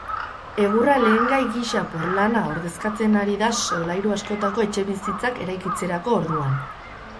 Egurra lehengai gisa porlana ordezkatzen ari da solairu askotako etxebizitzak eraikitzerako orduan.